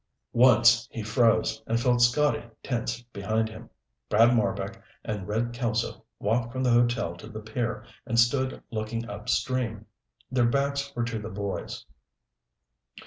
Once he froze and felt Scotty tense behind him. Brad Marbek and Red Kelso walked from the hotel to the pier and stood looking upstream. Their backs were to the boys.